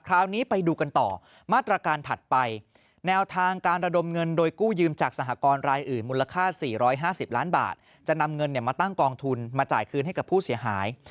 คราวนี้ไปดูกันต่อมาตรการถัดไปแนวทางการระดมเงินโดยกู้ยืมจากสหกรณ์รายอื่นมูลค่า๔๕๐ล้านบาทจะนำเงินมาตั้งกองทุนมาจ่ายคืนให้กับผู้เสียหาย